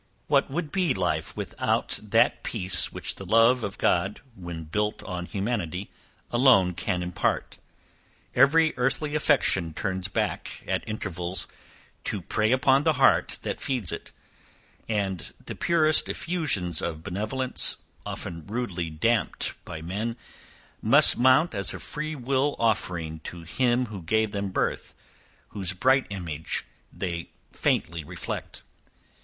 What would life be without that peace which the love of God, when built on humanity, alone can impart? Every earthly affection turns back, at intervals, to prey upon the heart that feeds it; and the purest effusions of benevolence, often rudely damped by men, must mount as a free will offering to Him who gave them birth, whose bright image they faintly reflect.